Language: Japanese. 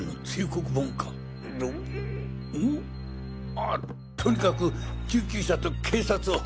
ああとにかく救急車と警察を。